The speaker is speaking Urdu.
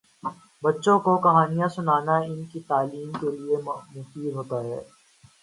بچوں کو کہانیاں سنانا ان کی تعلیم کے لئے مفید ہوتا ہے۔